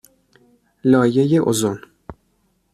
لایه اوزون